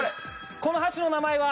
この橋の名前は？